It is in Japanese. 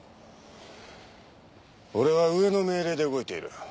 俺は上の命令で動いている。